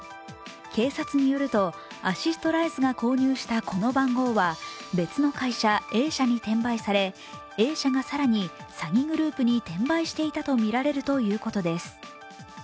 警察によると、アシストライズが購入したこの番号は、別の会社、Ａ社に転売されＡ社が更に詐欺グループに転売していたとみられるということです。